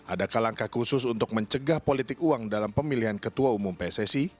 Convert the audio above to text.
adakah langkah khusus untuk mencegah politik uang dalam pemilihan ketua umum pssi